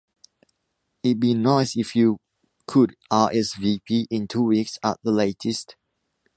It’d be nice if you could RSVP in two weeks at the latest.